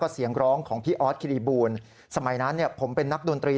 เสียงร้องของพี่ออสคิริบูลสมัยนั้นผมเป็นนักดนตรี